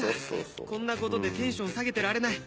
こんな事でテンション下げてられない